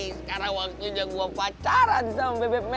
sekarang waktunya gua pacaran sama bebek pianian